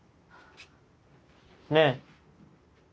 ねえ！